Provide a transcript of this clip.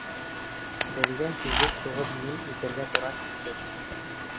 Беҙгә һигеҙ-туғыҙ миль үтергә тура килде.